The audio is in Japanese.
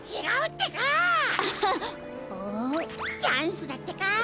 チャンスだってか。